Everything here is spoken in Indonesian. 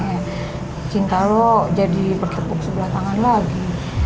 kayak cinta lo jadi bertepuk sebelah tangan lagi